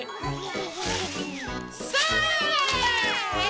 それ！